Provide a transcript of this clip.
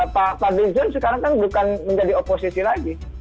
pak fadlizon sekarang kan bukan menjadi oposisi lagi